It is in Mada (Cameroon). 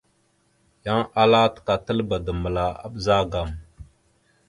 Yan ala təkatalba dambəla a ɓəzagaam a.